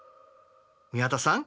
宮田さん